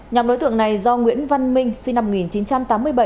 nhóm đối tượng này do nguyễn văn minh sinh năm một nghìn chín trăm tám mươi bảy